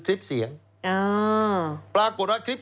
เพราะฉะนั้นคุณมิ้นท์พูดเนี่ยตรงเป้งเลย